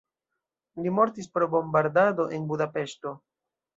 Li mortis pro bombardado de Budapeŝto.